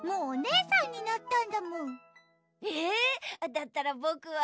だったらぼくは。